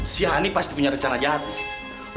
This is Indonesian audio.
si hany pasti punya rencana jahat nih